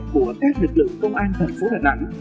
của các lực lượng công an thành phố đà nẵng